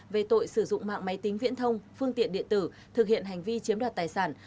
về tội sử dụng mạng máy tính viễn thông phương tiện điện tử thực hiện hành vi chiếm đoạt tài sản